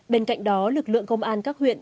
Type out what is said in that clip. bên cạnh đó lực lượng công an các huyện